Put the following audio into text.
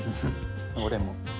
俺も。